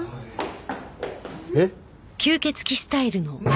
えっ？